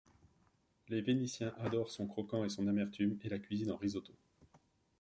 Les Vénitiens adorent son croquant et son amertume et la cuisinent en risotto.